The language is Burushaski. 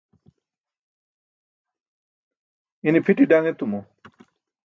ine pʰiti daṅ etumo